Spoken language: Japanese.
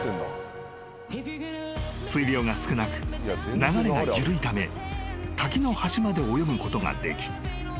［水量が少なく流れが緩いため滝の端まで泳ぐことができ